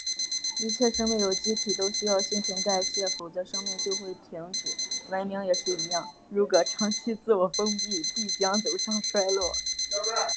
一切生命有机体都需要新陈代谢，否则生命就会停止。文明也是一样，如果长期自我封闭，必将走向衰落。